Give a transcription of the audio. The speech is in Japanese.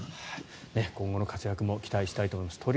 今後の活躍も期待したいと思います。